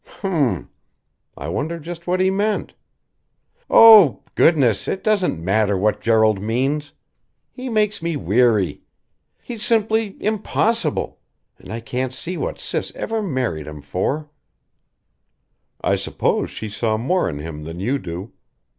'" "H'm m! I wonder just what he meant?" "Oh! goodness! It doesn't matter what Gerald means. He makes me weary. He's simply impossible and I can't see what Sis ever married him for." "I suppose she saw more in him than you do.